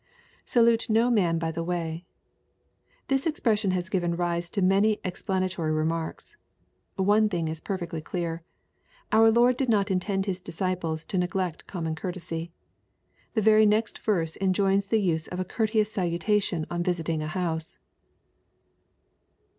[ScdiUe no man by the way.] This expression has given rise to many explanatory remarks. One thing is perfectly clear. Our Lord did not intend His disciples to neglect common courtesy. The very next verse enjoins the use of a courteous salutation on visiting a house.